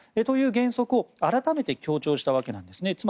こういう原則を改めて強調したわけなんですね。